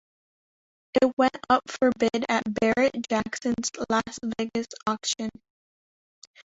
It went up for bid at Barrett-Jackson's Las Vegas auction.